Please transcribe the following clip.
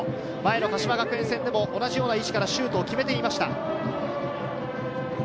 鹿島学園戦でも同じ位置からシュートを決めていました。